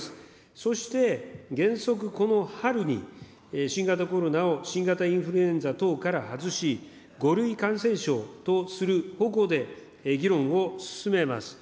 そして原則、この春に新型コロナを、新型インフルエンザ等から外し、５類感染症とする方向で議論を進めます。